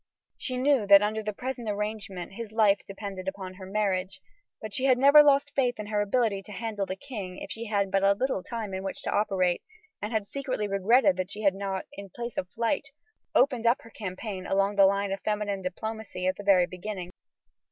She knew that under the present arrangement his life depended upon her marriage, but she had never lost faith in her ability to handle the king if she had but a little time in which to operate, and had secretly regretted that she had not, in place of flight, opened up her campaign along the line of feminine diplomacy at the very beginning.